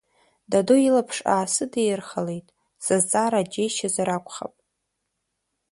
Даду илаԥш аасыдирхалеит сызҵаара џьеишьазар акәхап.